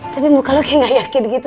tapi muka lo kayak gak yakin gitu